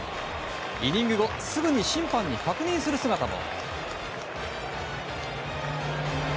イニング後すぐに審判に確認する姿も。